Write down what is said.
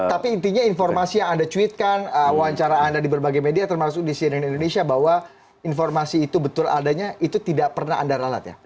tapi intinya informasi yang anda cuitkan wawancara anda di berbagai media termasuk di cnn indonesia bahwa informasi itu betul adanya itu tidak pernah anda ralat ya